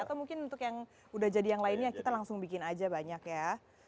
atau mungkin untuk yang udah jadi yang lainnya kita langsung bikin aja banyak ya